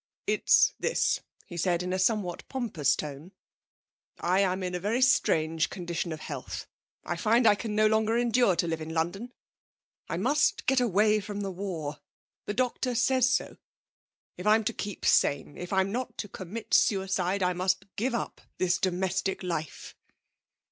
'It's this,' he said in a somewhat pompous tone, 'I am in a very strange condition of health. I find I can no longer endure to live in London; I must get away from the war. The doctor says so. If I'm to keep sane, if I'm not to commit suicide, I must give up this domestic life.'